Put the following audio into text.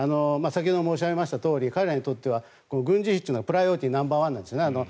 先ほど申し上げたとおり彼らにとっては軍事費はプライオリティーナンバーワンなんですね。